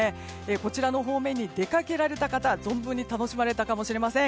こちらの方面に出かけられた方は存分に楽しまれたかもしれません。